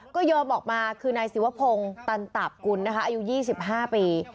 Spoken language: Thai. ก็ยอมออกมาคือนายศิวพงศ์ตันตาบกุลนะคะอายุ๒๕ปี